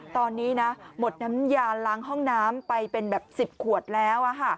ตอนนี้นะหมดน้ำยาล้างห้องน้ำไปเป็นแบบ๑๐ขวดแล้ว